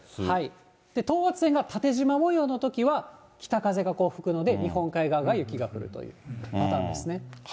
はい、等圧線が縦じま模様のときは北風が吹くので、日本海側が雪が降るというパターンですね。